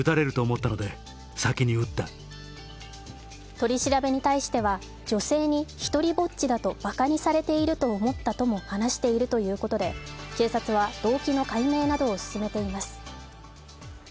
取り調べに対しては女性に独りぼっちだとばかにされていると思ったとも話しているということで、警察は動機の解明などを進めています。